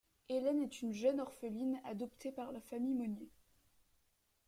Hélène est une jeune orpheline adoptée par la famille Monnier.